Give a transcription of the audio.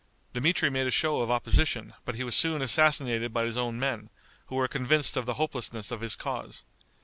Dmitri made a show of opposition, but he was soon assassinated by his own men, who were convinced of the hopelessness of his cause.